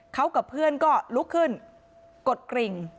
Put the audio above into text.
เขากับเพื่อนก็ลุกขึ้นกดกริ่ง